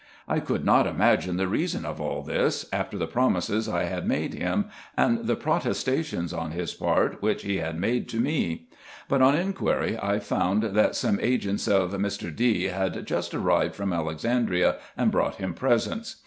I could not imagine the reason of all this, after the promises I had made him, and the protestations on his part which he had made to me ; but, on inquiry, I found that some agents of Mr. D had just arrived from Alexandria and brought him presents.